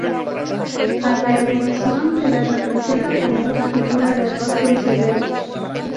A la erudición se la representa como una figura de rostro severo.